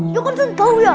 ya kan bau ya